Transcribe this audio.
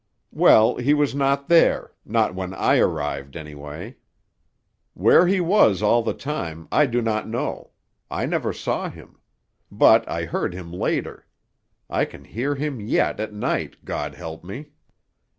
Well, he was not there; not when I arrived, anyway. Where he was all the time, I do not know. I never saw him. But I heard him later. I can hear him yet at night, God help me!